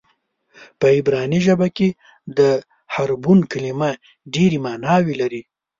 په عبراني ژبه کې د حبرون کلمه ډېرې معناوې لري.